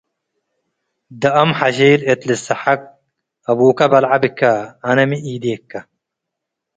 ደአም ሐሺል እት ልትሰ'ሐቅ፤ “አቡካ በልዐ ብካ፡ አነ ሚ ኢዴከ'።